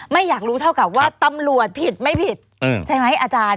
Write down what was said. ไม่อยากรู้เท่ากับว่าตำรวจผิดไม่ผิดใช่ไหมอาจารย์